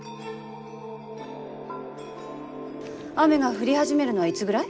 雨が降り始めるのはいつぐらい？